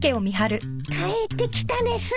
帰ってきたです。